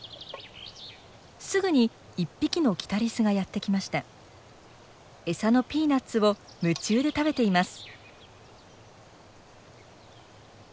すぐに１匹のキタリスがやって来ました。のピーナッツを夢中で食べています。